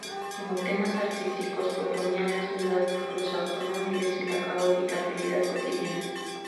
Como temas artísticos proponían la ciudad, los automóviles y la caótica realidad cotidiana.